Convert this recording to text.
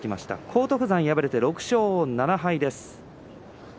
荒篤山、敗れて６勝７敗です。